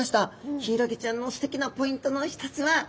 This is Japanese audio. ヒイラギちゃんのすてきなポイントの一つはこのきらめきです。